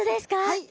はい。